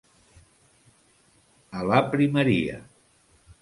A la primeria.